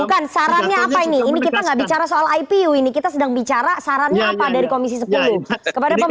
bukan sarannya apa ini ini kita nggak bicara soal ipu ini kita sedang bicara sarannya apa dari komisi sepuluh kepada pemerintah